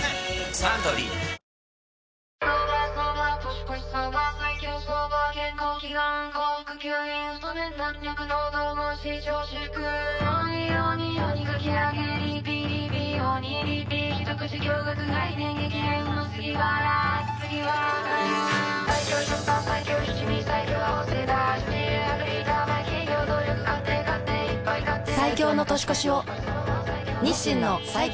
サントリー最強の年越しを日清の最強